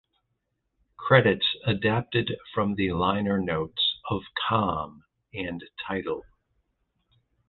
Credits adapted from the liner notes of "Calm" and Tidal.